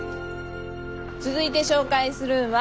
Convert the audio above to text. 続いて紹介するんは。